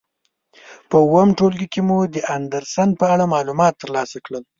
په اووم ټولګي کې مو د اندرسن په اړه معلومات تر لاسه کړل.